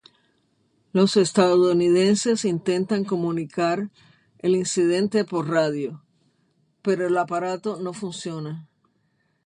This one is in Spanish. Los estadounidenses intentan comunicar el incidente por radio, pero el aparato no funciona.